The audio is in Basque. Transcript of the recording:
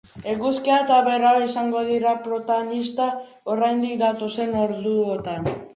Eguzkia eta beroa izango dira protanista, oraindik, datozen orduotan.